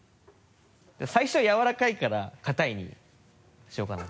最初柔らかいから硬いにしようかな。